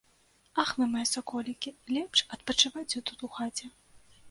Ах вы мае саколікі, лепш адпачывайце тут у хаце.